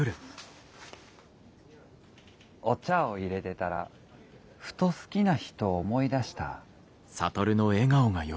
お茶をいれてたらふと好きな人を思い出した。